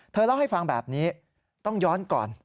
เล่าให้ฟังแบบนี้ต้องย้อนก่อน